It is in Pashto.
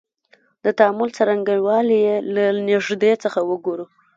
د تعامل څرنګوالی یې له نیږدې څخه وګورو.